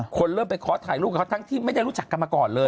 คนเริ่มไปขอถ่ายรูปกับเขาทั้งที่ไม่ได้รู้จักกันมาก่อนเลย